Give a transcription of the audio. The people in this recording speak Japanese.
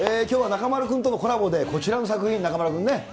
きょうは中丸君とのコラボでこちらの作品、中丸君ね。